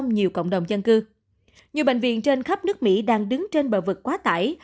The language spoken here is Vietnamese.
nhiều bệnh viện trên khắp nước mỹ đang đứng trên bờ vực quá tải